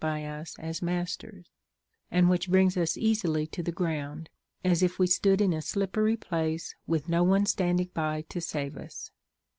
by US as masters, and which bring us easily to the ground, as if we stood in a slippery place with no one standing by to save us.